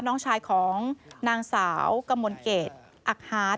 น้องชายของนางสาวกมลเกตอักฮาร์ด